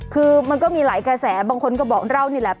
คือมันก็มีหลายกระแสบางคนก็บอกเรานี่แหละ